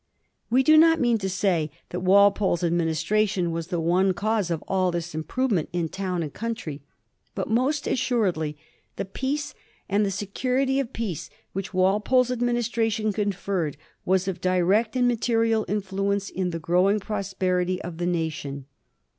We do not mean to say that Walpole's administration was the one cause of all this improvement in town and country; but most assuredly the peace, and the security of peace, which Walpole's administration conferred was of direct and material iofluence in the growing prosperity of the nation.